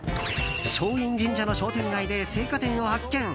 松陰神社の商店街で青果店を発見。